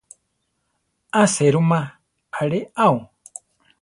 A serúma alé ao.